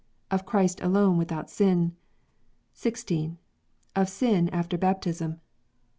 Of Christ alone without Sin. 10. Of Sin after Baptism.